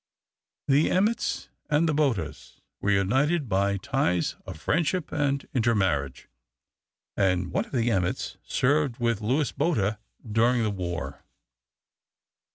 The Emmets and the Bothas were united by ties of friendship and intermarriage, and one of the Emmets served with Louis Botha during the war.